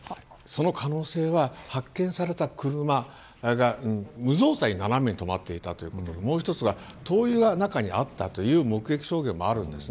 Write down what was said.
その可能性は、発見された車が無造作に斜めに止まっていたということもう一つは灯油が中にあったという目撃証言もあります。